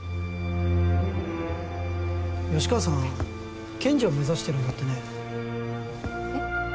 吉川さん検事を目指してるんだってねえっ？